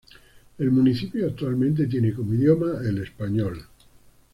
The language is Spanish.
El municipio actualmente tiene como idioma el español.